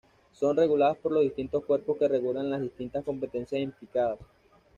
Son reguladas por los distintos cuerpos que regulan las distintas competencias implicadas.